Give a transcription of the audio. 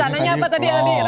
jadi rencananya apa tadi adi